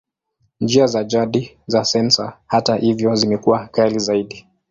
Njia za jadi za sensa, hata hivyo, zimekuwa ghali zaidi.